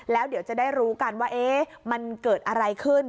แล้วเดี๋ยวจะได้รู้กันว่ามันเกิดอะไรขึ้น